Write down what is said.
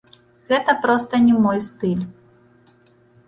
Гэта проста не мой стыль.